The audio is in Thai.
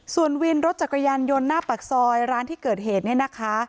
ส่วนวินรถจักรยานยนต์หน้าปากซอยร้านที่เกิดเหตุเนี่ยนะคะ